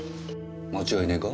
間違いねえか？